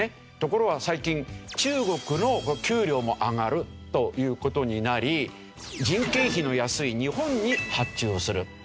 ところが最近中国の給料も上がるという事になり人件費の安い日本に発注をする。